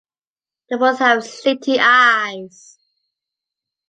They both have slitty eyes.